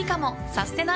サステナ！